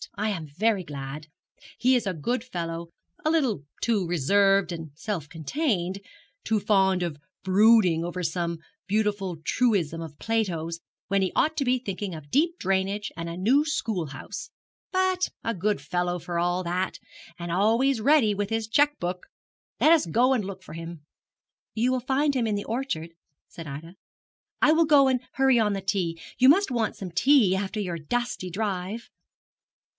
I am very glad. He is a good fellow, a little too reserved and self contained, too fond of brooding over some beautiful truism of Plato's when he ought to be thinking of deep drainage and a new school house; but a good fellow for all that, and always ready with his cheque book. Let us go and look for him.' 'You will find him in the orchard,' said Ida. 'I will go and hurry on the tea. You must want some tea after your dusty drive.'